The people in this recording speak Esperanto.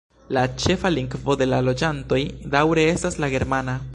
La ĉefa lingvo de la loĝantoj daŭre estas la germana.